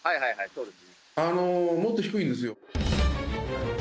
そうです。